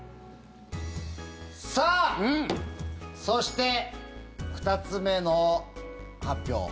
そして、２つ目の発表。